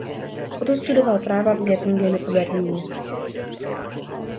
Otto studoval práva v Göttingenu a Berlíně.